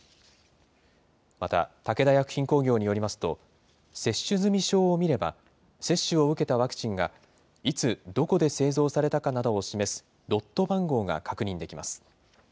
また、武田薬品工業によりますと、接種済み証を見れば、接種を受けたワクチンが、いつどこで製造されたかなどを示すロット番号が確認できます。